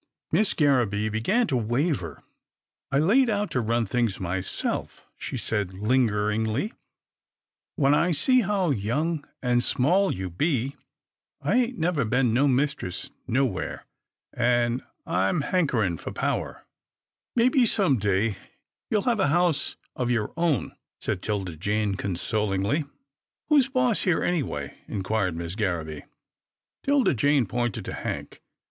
Miss Garraby began to waver. " I laid out to run things myself," she said lingeringly, " when I see how young and small you be. I ain't never 16 'TILDA JANE'S ORPHANS been no mistress nowhere, and I'm hankerin' for power." " Maybe, some day, you will have a house of your own," said 'Tilda Jane consolingly. "Who's boss here, anyway?" inquired Miss Garraby. 'Tilda Jane pointed to Hank.